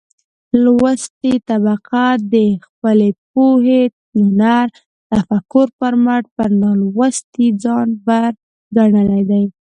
لوستې طبقه د خپلې پوهې، هنر ،تفکر په مټ پر نالوستې ځان بر ګنلى دى.